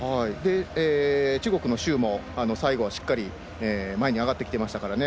中国の周も最後、しっかり前に上がってきてましたからね。